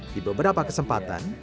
di beberapa kesempatan